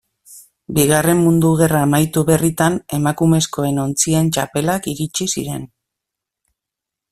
Bigarren Mundu Gerra amaitu berritan emakumezkoen ontzien txapelak iritsi ziren.